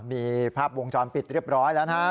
มีภาพวงจรปิดเรียบร้อยแล้วนะครับ